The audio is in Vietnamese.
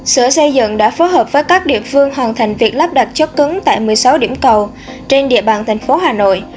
sở xây dựng đã phối hợp với các địa phương hoàn thành việc lắp đặt chốt cứng tại một mươi sáu điểm cầu trên địa bàn thành phố hà nội